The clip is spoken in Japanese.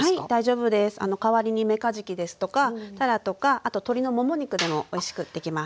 代わりにメカジキですとかタラとかあと鶏のもも肉でもおいしくできます。